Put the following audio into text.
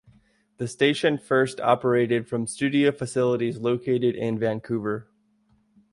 The station first operated from studio facilities located in Vancouver.